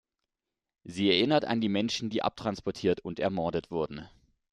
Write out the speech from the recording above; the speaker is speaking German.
Sie erinnert an die Menschen, die abtransportiert und ermordet wurden.